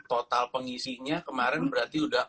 total pengisinya kemarin berarti sudah